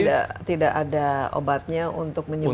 jadi tidak ada obatnya untuk menyebutkan